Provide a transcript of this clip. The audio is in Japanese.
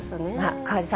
河出さん